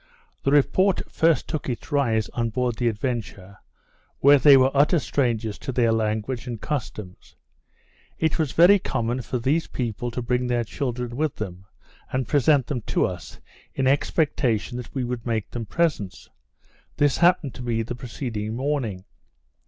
The report first took its rise on board the Adventure, where they were utter strangers to their language and customs. It was very common for these people to bring their children with them, and present them to us, in expectation that we would make them presents; this happened to me the preceding morning.